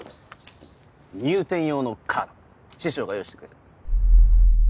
入店用のカード師匠が用意してくれた。